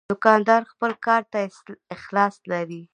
دوکاندار خپل کار ته اخلاص لري.